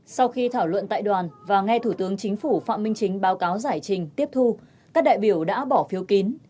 sau khi thảo luận tại đoàn và nghe thủ tướng chính phủ phạm minh chính báo cáo giải trình tiếp thu các đại biểu đã bỏ phiếu kín